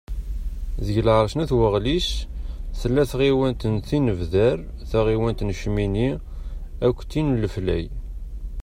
Deg lεerc n At Waɣlis, tella tɣiwant n Tinebdar, taɣiwant n Cmini, akked tin n Leflay.